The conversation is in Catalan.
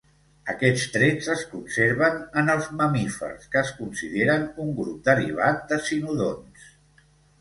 Aquests trets es conserven en els mamífers, que es consideren un grup derivat de cinodonts.